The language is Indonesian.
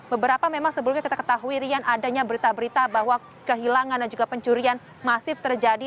beberapa memang sebelumnya kita ketahui rian adanya berita berita bahwa kehilangan dan juga pencurian masif terjadi